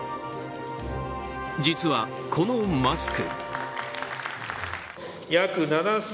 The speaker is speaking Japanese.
実はこのマスク。